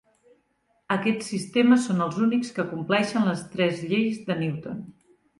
Aquests sistemes són els únics que compleixen les tres lleis de Newton.